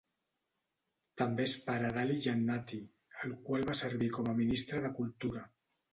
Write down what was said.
També es pare d'Ali Jannati, el qual va servir com a ministre de Cultura.